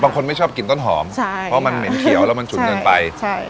ไม่ชอบกินต้นหอมใช่เพราะมันเหม็นเขียวแล้วมันฉุนเกินไปใช่